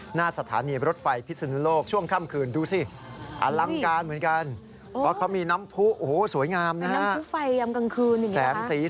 หน้าสถานีรถไฟพิศนุโลกช่วงค่ำคืนดูสิอลังการเหมือนกันเพราะเขามีน้ำผู้โอ้โหสวยงามนะฮะ